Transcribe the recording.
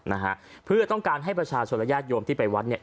นะฮะเพื่อต้องการให้ประชาชนและญาติโยมที่ไปวัดเนี่ย